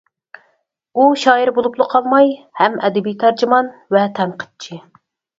ئۇ شائىر بولۇپلا قالماي، ھەم ئەدەبىي تەرجىمان ۋە تەنقىدچى.